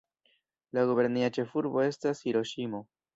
La gubernia ĉefurbo estas Hiroŝimo.